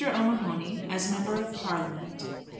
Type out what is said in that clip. O'MAHONY AS MEMBER OF PARLIAMENT.